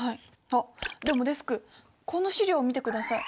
あっでもデスクこの資料を見てください。